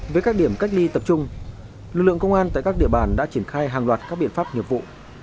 với các điểm cách ly tập trung lực lượng công an tại các địa bàn đã triển khai hàng loạt các biện pháp nghiệp vụ